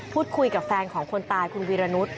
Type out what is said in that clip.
คุยกับแฟนของคนตายคุณวีรนุษย